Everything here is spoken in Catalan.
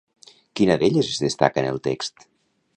Quina d'elles es destaca en el text?